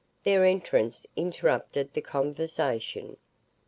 Their entrance interrupted the conversation.